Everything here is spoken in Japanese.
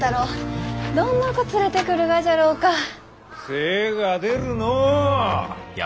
精が出るのう！